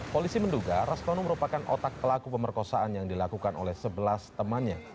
polisi menduga rastono merupakan otak pelaku pemerkosaan yang dilakukan oleh sebelas temannya